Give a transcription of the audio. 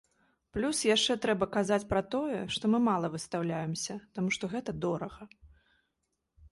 Плюс яшчэ трэба казаць пра тое, што мы мала выстаўляемся, таму што гэта дорага.